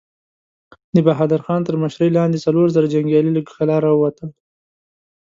د بهادر خان تر مشرۍ لاندې څلور زره جنګيالي له کلا را ووتل.